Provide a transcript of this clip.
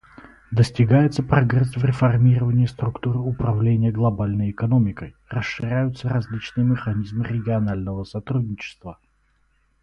Достигается прогресс в реформировании структуры управления глобальной экономикой, расширяются различные механизмы регионального сотрудничества.